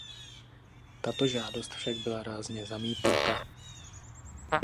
Tato žádost však byla rázně zamítnuta.